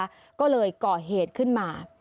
เธอก็เลยเกาะเหตุขึ้นมา